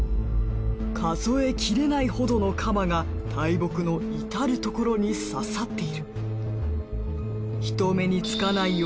数えきれないほどの鎌が大木の至る所に刺さっている。